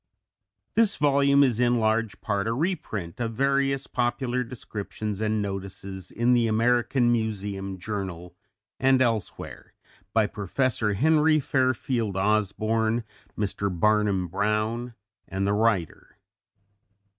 This volume is in large part a reprint of various popular descriptions and notices in the American Museum Journal and elsewhere by Professor Henry Fairfield Osborn, Mr. Barnum Brown, and the writer.